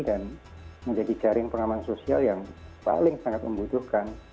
dan menjadi jaring pengaman sosial yang paling sangat membutuhkan